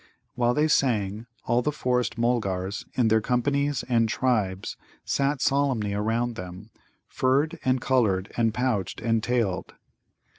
While they sang, all the Forest mulgars, in their companies and tribes, sat solemnly around them, furred and coloured and pouched and tailed.